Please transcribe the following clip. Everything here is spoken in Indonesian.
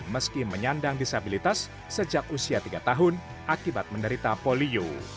meski menyandang disabilitas sejak usia tiga tahun akibat menderita polio